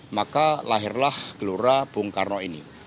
maka lahirlah gelora bung karno ini